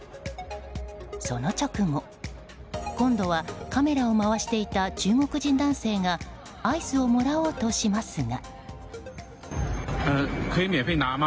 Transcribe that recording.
その直後今度はカメラを回していた中国人男性がアイスをもらおうとしますが。